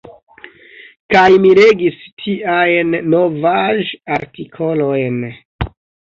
Kaj mi legis tiajn novaĵ-artikolojn.